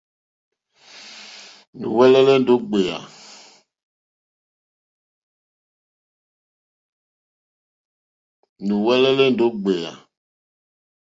Nù wɛ́lɛ́lɛ́ ó ɡbèyà.